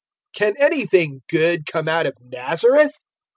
001:046 "Can anything good come out of Nazareth?"